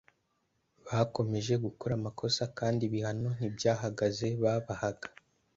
Bakomeje gukora amakosa kandi ibihano ntibyahagaze babahaga